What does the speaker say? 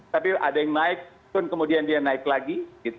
tapi ada yang naik turun kemudian dia naik lagi